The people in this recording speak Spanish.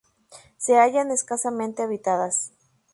Se hallan escasamente habitadas.